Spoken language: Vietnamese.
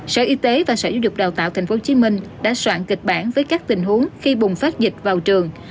sở y tế và sở giáo dục đào tạo tp hcm đã soạn kịch bản với các tình huống khi bùng phát dịch vào trường